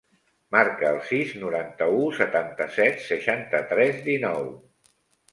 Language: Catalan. Marca el sis, noranta-u, setanta-set, seixanta-tres, dinou.